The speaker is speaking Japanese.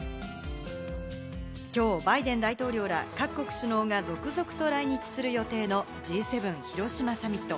今日、バイデン大統領ら各国首脳が続々と来日する予定のＧ７広島サミット。